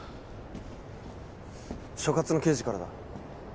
所轄の刑事からだ。